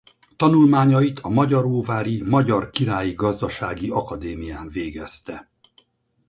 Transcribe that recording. Tanulmányait a Magyaróvári Magyar Királyi Gazdasági Akadémián végezte.